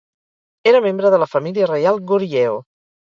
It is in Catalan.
Era membre de la família reial Goryeo.